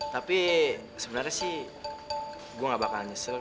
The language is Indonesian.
tapi sebenarnya sih gue gak bakalan nyesel kok